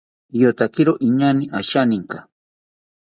Iyotakiro inaañe asheninka